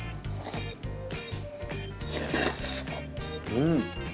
うん！